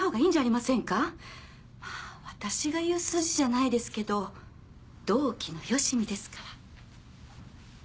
まぁ私が言う筋じゃないですけど同期のよしみですから。